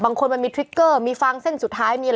บางคนมันมีทริกเกอร์มีฟางเส้นสุดท้าย